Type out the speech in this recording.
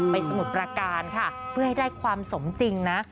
สมุทรประการค่ะเพื่อให้ได้ความสมจริงนะ